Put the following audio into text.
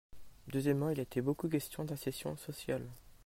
Deuxièmement, il a été beaucoup question d’accession sociale.